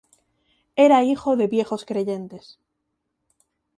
Era hijo de viejos creyentes.